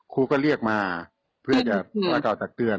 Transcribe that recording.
ครูก็เรียกมาเพื่อจะว่ากล่าวตักเตือน